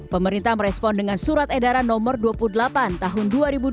pemerintah merespon dengan surat edaran nomor dua puluh delapan tahun dua ribu dua puluh